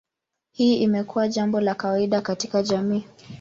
Hii imekuwa jambo la kawaida katika jamii.